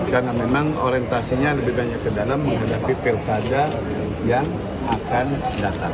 karena memang orientasinya lebih banyak ke dalam menghadapi pilkada yang akan datang